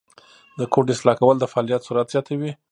د کوډ اصلاح کول د فعالیت سرعت زیاتوي.